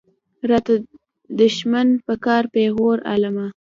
راته دښمن به کا پېغور عالمه.